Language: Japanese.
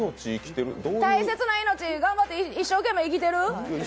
大切な命、頑張って一生懸命生きてる？